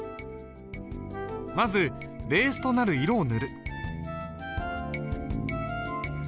まずベースとなる色を塗る。